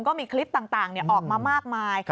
ก็มีคลิปต่างออกมามากมาย